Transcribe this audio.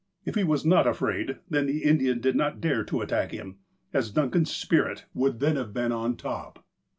If he was not afraid, then the Indian did not dare to attack him, as Duncan's "spirit " would then have been on top.